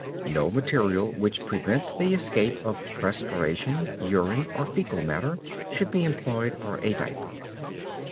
No material which prevents the escape of perspiration, urine or fecal matter should be employed for a diaper.